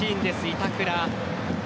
板倉